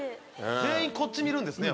全員こっち見るんですね